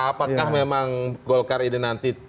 apakah memang golkar ini nanti